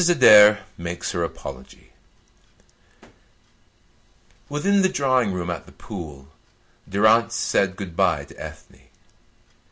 ADAIR MAKES HER APOLOGY Within the drawing room at The Pool, Durrance said good bye to Ethne.